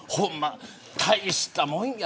大したもんや。